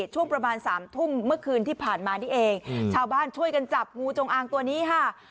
ช่วงประมาณสามทุ่มเมื่อคืนที่ผ่านมานี่เองชาวบ้านช่วยกันจับงูจงอางตัวนี้ค่ะ